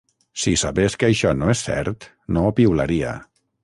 Si sabés que això no és cert no ho piularia.